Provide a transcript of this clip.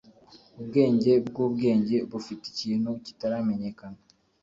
Ubwenge bwubwenge bufite ikintu kitaramenyekana.